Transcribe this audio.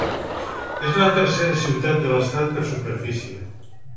És la tercera ciutat de l'estat per superfície.